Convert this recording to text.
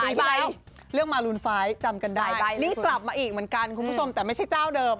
มีไฟเรื่องมารุนไฟล์จำกันได้นี่กลับมาอีกเหมือนกันคุณผู้ชมแต่ไม่ใช่เจ้าเดิม